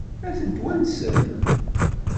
Ad tent-wansen?